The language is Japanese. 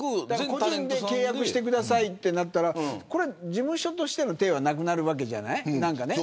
個人で契約となったら事務所としてのていはなくなるわけじゃない。